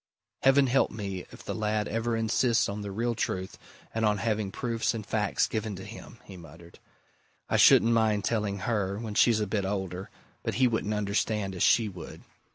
"Heaven help me if the lad ever insists on the real truth and on having proofs and facts given to him!" he muttered. "I shouldn't mind telling her, when she's a bit older but he wouldn't understand as she would.